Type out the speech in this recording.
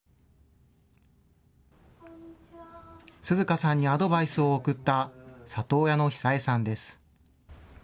涼花さんにアドバイスを送った里親のヒサエさんです。